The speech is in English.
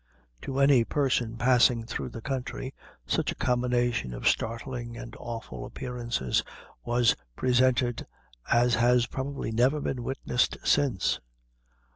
To any person passing through the country, such a combination of startling and awful appearances was presented as has probably never been witnessed since.